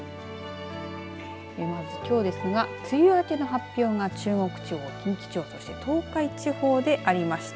まずきょうですが梅雨明けの発表が中国地方、近畿地方そして東海地方でありました。